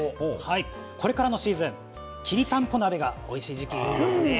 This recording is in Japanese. これからのシーズンきりたんぽ鍋がおいしい時期です。